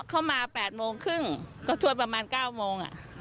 เข้ามา๘โมงครึ่งก็ช่วยประมาณ๙โมง